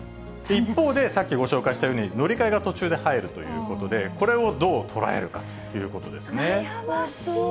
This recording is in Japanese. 一方で、さっきご紹介したように、乗り換えが途中で入るということで、これをどう捉えるかというこ悩ましい。